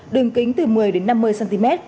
đường kính từ một mươi đến năm mươi cm